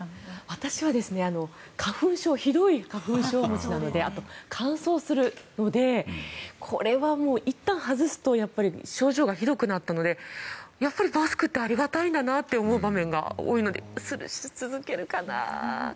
私はひどい花粉症持ちなのであとは乾燥するのでこれはいったん外すとやっぱり症状がひどくなったのでやっぱりマスクってありがたいんだなと思う場面が多いのでし続けるかな。